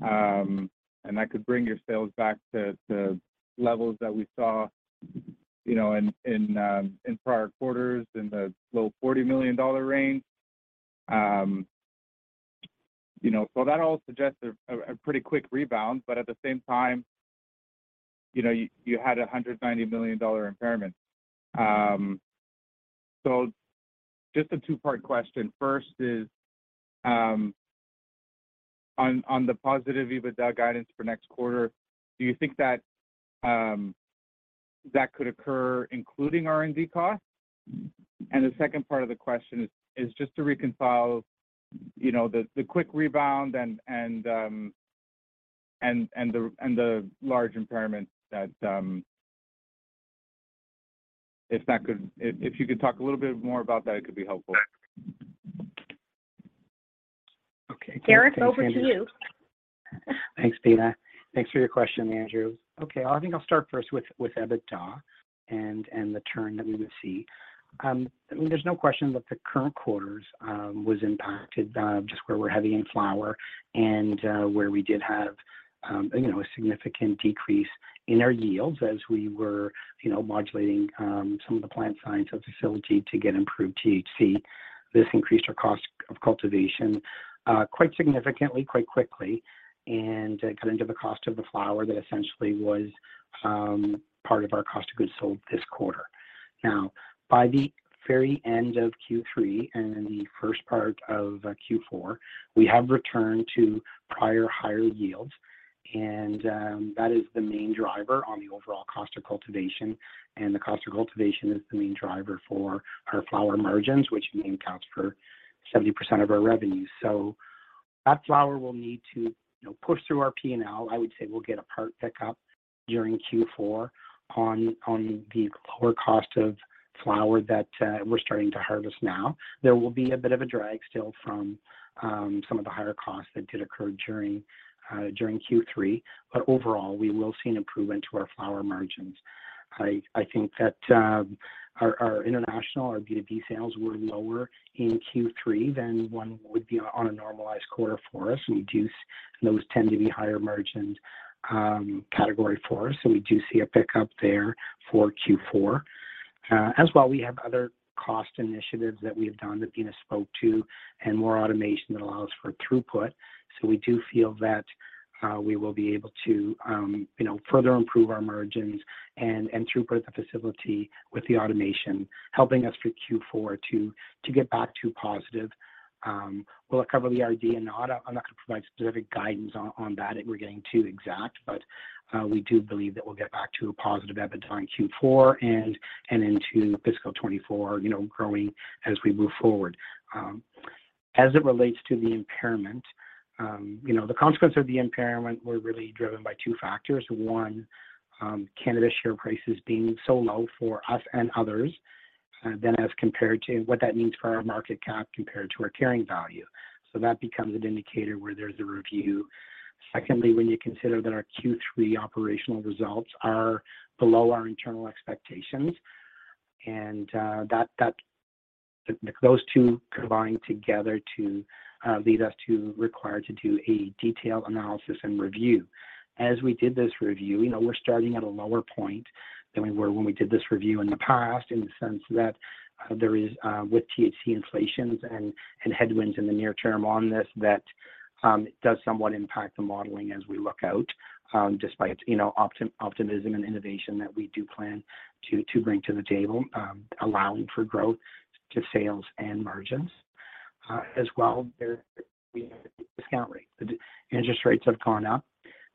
That could bring your sales back to levels that we saw, you know, in prior quarters, in the low 40 million dollar range. You know, so that all suggests a pretty quick rebound, but at the same time, you know, you had a 190 million dollar impairment. Just a two-part question. First is on the positive EBITDA guidance for next quarter, do you think that could occur including R&D costs? The second part of the question is just to reconcile, you know, the quick rebound and the large impairment that if you could talk a little bit more about that, it could be helpful. Eric, over to you. Thanks, Tina. Thanks for your question, Andrew. I think I'll start first with EBITDA and the turn that we would see. I mean, there's no question that the current quarters was impacted just where we're heavy in flower and where we did have, you know, a significant decrease in our yields as we were, you know, modulating some of the plant science of facility to get improved THC. This increased our cost of cultivation quite significantly, quite quickly, and it got into the cost of the flower that essentially was part of our cost of goods sold this quarter. Now, by the very end of Q3 and in the first part of Q4, we have returned to prior higher yields, and that is the main driver on the overall cost of cultivation. The cost of cultivation is the main driver for our flower margins, which accounts for 70% of our revenue. That flower will need to, you know, push through our P&L. I would say we'll get a part pick-up during Q4 on the lower cost of flower that we're starting to harvest now. There will be a bit of a drag still from some of the higher costs that did occur during Q3. Overall, we will see an improvement to our flower margins. I think that our international, our B2B sales were lower in Q3 than one would be on a normalized quarter for us. Those tend to be higher margin category for us. We do see a pick-up there for Q4. As well, we have other cost initiatives that we have done, that Tina spoke to, and more automation that allows for throughput. We do feel that, you know, further improve our margins and throughput the facility with the automation, helping us through Q4 to get back to positive. Will it cover the R&D? I'm not going to provide specific guidance on that, we're getting too exact, but we do believe that we'll get back to a positive EBITDA in Q4 and into fiscal 2024, you know, growing as we move forward. As it relates to the impairment, you know, the consequences of the impairment were really driven by two factors: One, cannabis share prices being so low for us and others, than as compared to what that means for our market cap, compared to our carrying value. That becomes an indicator where there's a review. Secondly, when you consider that our Q3 operational results are below our internal expectations, and, those two combined together to lead us to require to do a detailed analysis and review. As we did this review, you know, we're starting at a lower point than we were when we did this review in the past, in the sense that there is with THC inflations and headwinds in the near term on this, that it does somewhat impact the modeling as we look out, despite, you know, optimism and innovation that we do plan to bring to the table, allowing for growth to sales and margins. As well, there, we have a discount rate. The interest rates have gone up.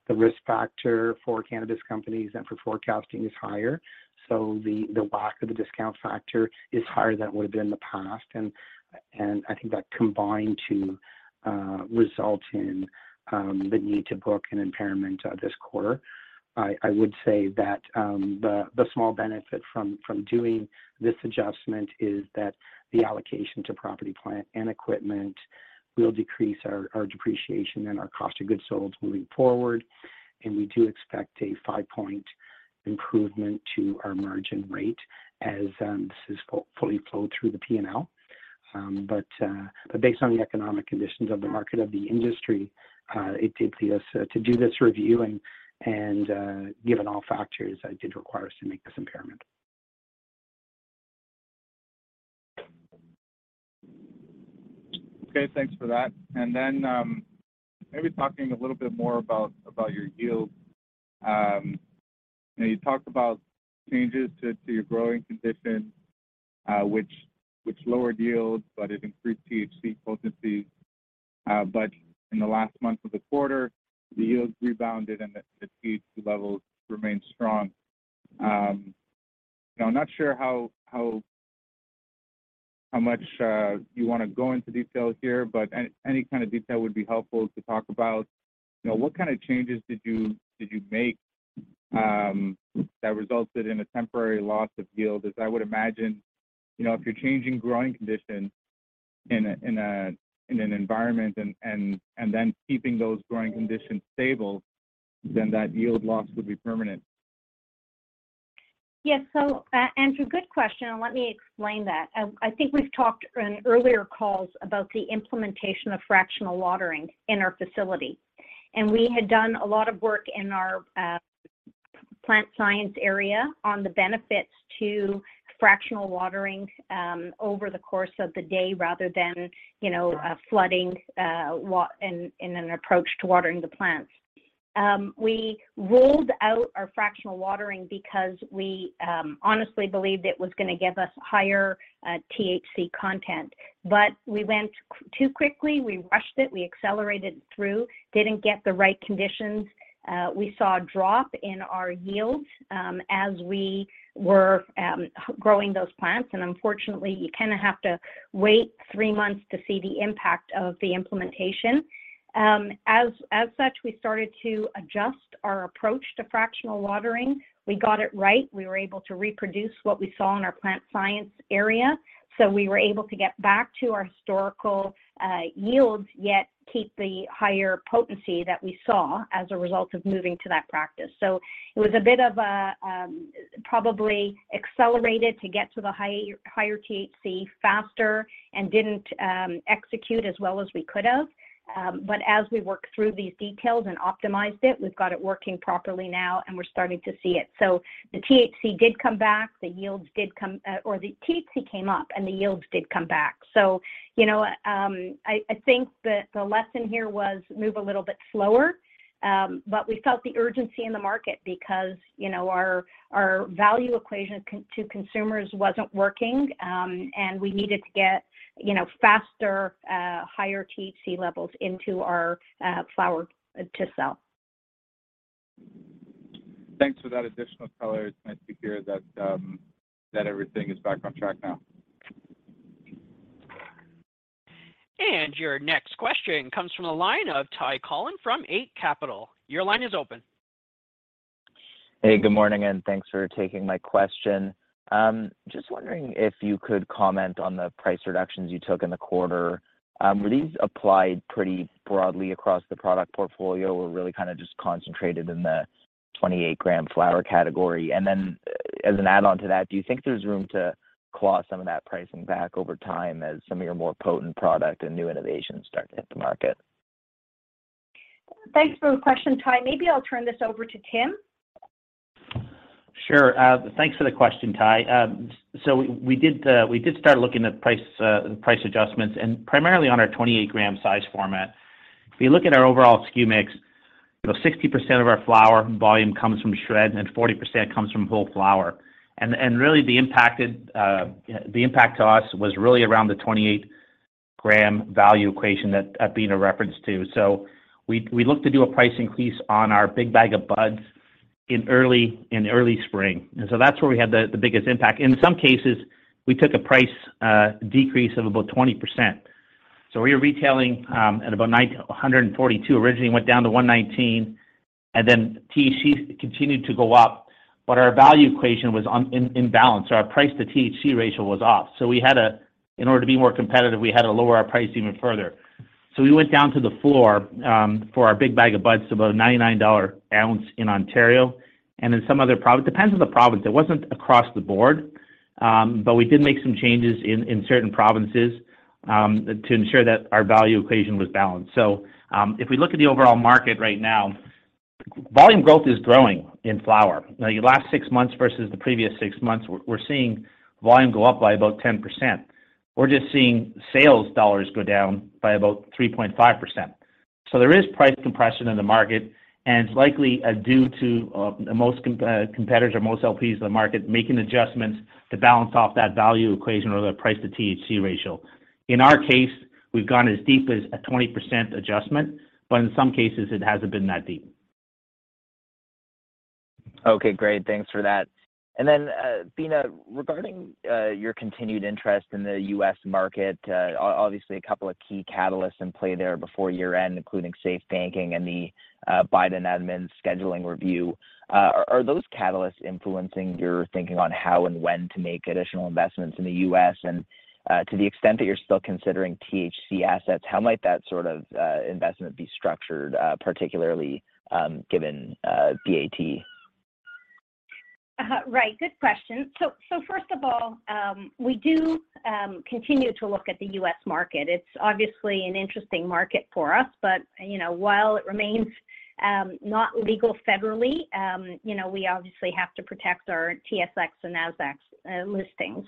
The risk factor for cannabis companies and for forecasting is higher, the WACC of the discount factor is higher than it would have been in the past. I think that combined to result in the need to book an impairment this quarter. I would say that the small benefit from doing this adjustment is that the allocation to property, plant, and equipment will decrease our depreciation and our cost of goods sold moving forward. We do expect a 5-point improvement to our margin rate as this is fully flowed through the P&L. Based on the economic conditions of the market, of the industry, it did lead us to do this review, and given all factors, it did require us to make this impairment. Okay, thanks for that. Maybe talking a little bit more about your yield. You talked about changes to your growing conditions, which lowered yields, but it increased THC potency. In the last month of the quarter, the yields rebounded, and the THC levels remained strong. I'm not sure how much you want to go into detail here, but any kind of detail would be helpful to talk about. You know, what kind of changes did you make, that resulted in a temporary loss of yield? As I would imagine, you know, if you're changing growing conditions in an environment and then keeping those growing conditions stable, then that yield loss would be permanent. Yes, Andrew, good question, and let me explain that. I think we've talked in earlier calls about the implementation of fractional watering in our facility. We had done a lot of work in our plant science area on the benefits to fractional watering over the course of the day, rather than, you know, flooding in an approach to watering the plants. We rolled out our fractional watering because we honestly believed it was gonna give us higher THC content. We went too quickly, we rushed it, we accelerated through, didn't get the right conditions. We saw a drop in our yields as we were growing those plants, and unfortunately, you kind of have to wait three months to see the impact of the implementation. As such, we started to adjust our approach to fractional watering. We got it right. We were able to reproduce what we saw in our plant science area, we were able to get back to our historical yields, yet keep the higher potency that we saw as a result of moving to that practice. It was a bit of a, probably accelerated to get to the higher THC faster and didn't execute as well as we could have. As we worked through these details and optimized it, we've got it working properly now, and we're starting to see it. The THC did come back, the yields did come, or the THC came up, and the yields did come back. you know, I think the lesson here was move a little bit slower, but we felt the urgency in the market because, you know, our value equation to consumers wasn't working, and we needed to get, you know, faster, higher THC levels into our flower to sell. Thanks for that additional color. It's nice to hear that everything is back on track now. Your next question comes from the line of Ty Collin from Eight Capital. Your line is open. Hey, good morning, and thanks for taking my question. Just wondering if you could comment on the price reductions you took in the quarter? Were these applied pretty broadly across the product portfolio, or really kind of just concentrated in the 28-gram flower category? As an add-on to that, do you think there's room to claw some of that pricing back over time as some of your more potent product and new innovations start to hit the market? Thanks for the question, Ty. Maybe I'll turn this over to Tim. Sure. Thanks for the question, Ty. We did start looking at price adjustments, and primarily on our 28-gram size format. If you look at our overall SKU mix, you know, 60% of our flower volume comes from SHRED, and 40% comes from whole flower. Really, the impact to us was really around the 28-gram value equation that Beena referenced to. We looked to do a price increase on our Big Bag o' Buds in early spring, and so that's where we had the biggest impact. In some cases, we took a price decrease of about 20%. We were retailing at about 142 originally, went down to 119, and then THC continued to go up, but our value equation was imbalanced, so our price-to-THC ratio was off. We had to, in order to be more competitive, we had to lower our price even further. We went down to the floor for our Big Bag o' Buds, to about a 99 dollar ounce in Ontario, and in some other province. Depends on the province. It wasn't across the board, but we did make some changes in certain provinces to ensure that our value equation was balanced. If we look at the overall market right now, volume growth is growing in flower. Now, your last six months versus the previous six months, we're seeing volume go up by about 10%. We're just seeing sales dollars go down by about 3.5%. There is price compression in the market, and it's likely due to most competitors or most LPs in the market making adjustments to balance off that value equation or the price-to-THC ratio. In our case, we've gone as deep as a 20% adjustment, but in some cases, it hasn't been that deep. Okay, great. Thanks for that. Then, Beena, regarding your continued interest in the U.S. market, obviously, a couple of key catalysts in play there before year-end, including SAFE Banking and the Biden administration scheduling review. Are those catalysts influencing your thinking on how and when to make additional investments in the U.S.? To the extent that you're still considering THC assets, how might that sort of investment be structured, particularly given BAT? Right. Good question. First of all, we do continue to look at the U.S. market. It's obviously an interesting market for us, you know, while it remains not legal federally, you know, we obviously have to protect our TSX and NASDAQ listings.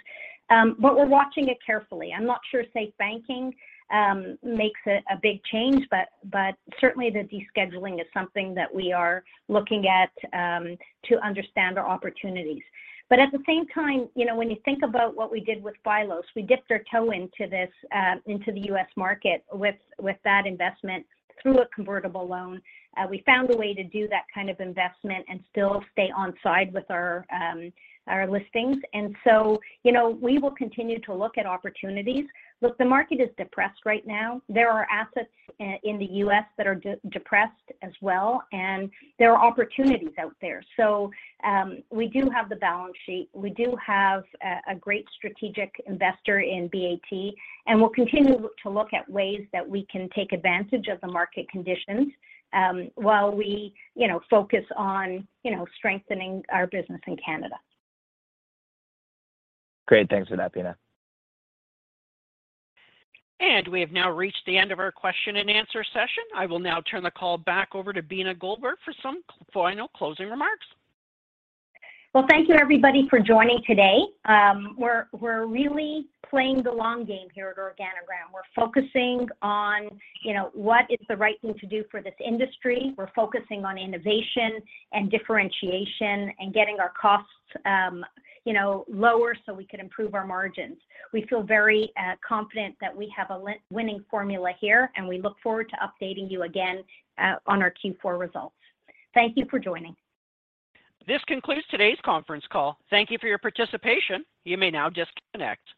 We're watching it carefully. I'm not sure SAFE Banking makes a big change, certainly the descheduling is something that we are looking at to understand our opportunities. At the same time, you know, when you think about what we did with Phylos, we dipped our toe into this into the U.S. market with that investment through a convertible loan. We found a way to do that kind of investment and still stay on side with our listings, you know, we will continue to look at opportunities. Look, the market is depressed right now. There are assets in the U.S. that are depressed as well, and there are opportunities out there. We do have the balance sheet. We do have a great strategic investor in BAT, and we'll continue to look at ways that we can take advantage of the market conditions, while we, you know, focus on, you know, strengthening our business in Canada. Great. Thanks for that, Beena. We have now reached the end of our question-and-answer session. I will now turn the call back over to Beena Goldenberg for some final closing remarks. Well, thank you, everybody, for joining today. We're really playing the long game here at Organigram. We're focusing on, you know, what is the right thing to do for this industry. We're focusing on innovation and differentiation and getting our costs, you know, lower so we can improve our margins. We feel very confident that we have a winning formula here, and we look forward to updating you again on our Q4 results. Thank you for joining. This concludes today's conference call. Thank you for your participation. You may now disconnect.